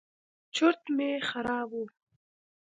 چورت مې خراب و.